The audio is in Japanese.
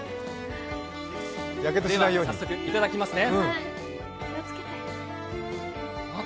早速いただきますね。